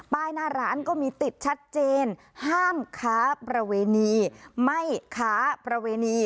หน้าร้านก็มีติดชัดเจนห้ามค้าประเวณีไม่ค้าประเวณี